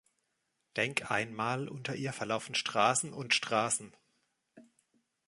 Denk einmal, unter ihr verlaufen Straßen und Straßen!